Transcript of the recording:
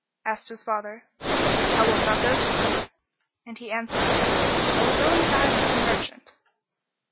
Asked his father, "How wilt thou go to her?" and he answered, "I will go in the guise of a merchant."